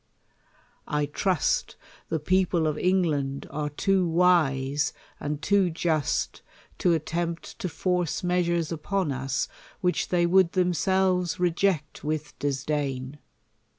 I trust the people of England are too wise and too just to attempt to force measures upon us wliich they woul4 themselves i eject with disdain.